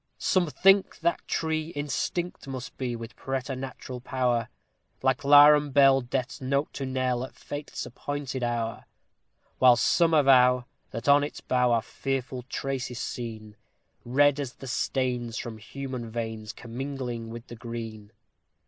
Some think that tree instinct must be with preternatural power. Like 'larum bell Death's note to knell at Fate's appointed hour; While some avow that on its bough are fearful traces seen, Red as the stains from human veins, commingling with the green.